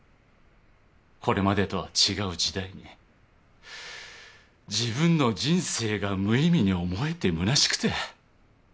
これまでとは違う時代に自分の人生が無意味に思えてむなしくて。